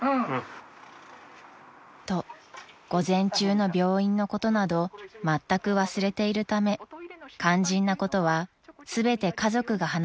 ［と午前中の病院のことなどまったく忘れているため肝心なことは全て家族が話さなければなりません］